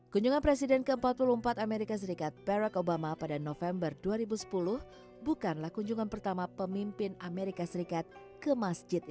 kunjungan presiden ke empat puluh empat amerika serikat barack obama pada november dua ribu sepuluh bukanlah kunjungan pertama pemimpin amerika serikat ke masjid